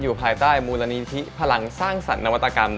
ภายใต้มูลนิธิพลังสร้างสรรคนวัตกรรม